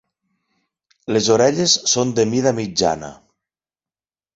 Les orelles són de mida mitjana.